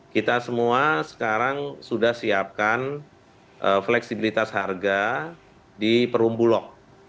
kita semua sekarang sudah siapkan fleksibilitas harga di perumbulok